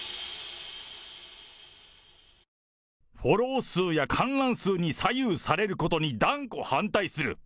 フォロー数や観覧数に左右されることに断固反対する。